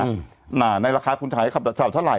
น่ะในราคาคุณใช้คำถามเท่าไหร่